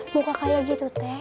muka kaya gitu teh